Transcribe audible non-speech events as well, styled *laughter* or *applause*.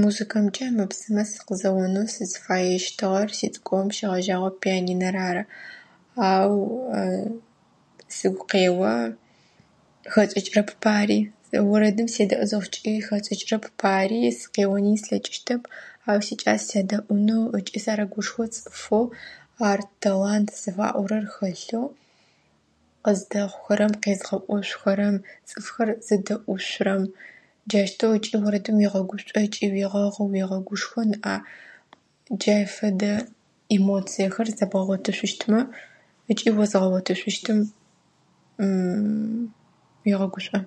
Музыкэмкӏэ ӏэмэ-псымэ сыкъызэонэу сызфэещтыгъэр, сицӏыкӏугъэм щэгъэжьагъэу пианинэ рары. Ау *hesitation* сыгу къеӏо хэчӏыкӏырэп пари. Орэдым седэӏу зыхъукӏи хэчӏыкӏырэп пари, сыкъеони слъэкӏыщтэп. Ау сикӏас седэӏунэу ыкӏи сарэгушхо цӏыфэу ар талант зыфаӏорэр хэлъэу, къыздэхъухэрэм, къезгъэӏошъухэрэм, цӏыфхэр зэдэӏушъурэм. Джаущтэу ыкӏи орэдым уегъэгушӏуэкӏы, уегъэгъы, уегъэгушхо ныӏа. Джай фэдэ эмоциехэр зэбгъэгъотышъущтымэ ыкӏи озгъэгъотышъущтым *hesitation* егъэгушӏо.